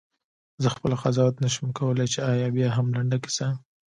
زه خپله قضاوت نه شم کولای چې آیا بیاهم لنډه کیسه؟ …